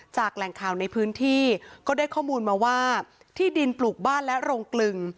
แหล่งข่าวในพื้นที่ก็ได้ข้อมูลมาว่าที่ดินปลูกบ้านและโรงกลึง